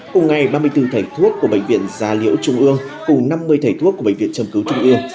cùng ngày ba mươi bốn thầy thuốc của bệnh viện gia liễu trung ương cùng năm mươi thầy thuốc của bệnh viện châm cứu trung ương